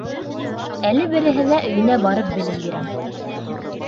Әле береһенә өйөнә барып белем бирәм.